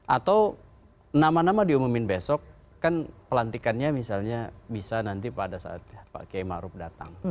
atau nama nama diumumin besok kan pelantikannya misalnya bisa nanti pada saat pak kiai ⁇ maruf ⁇ datang